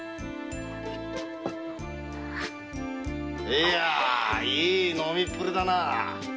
いやあいい飲みっぷりだなあ！